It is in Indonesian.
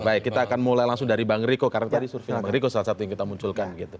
baik kita akan mulai langsung dari bang riko karena tadi survei bang riko salah satu yang kita munculkan